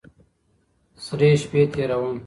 ســـره شپـــــې تېــروم